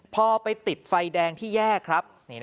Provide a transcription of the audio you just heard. พอไปติดไฟแดงที่แยกครับ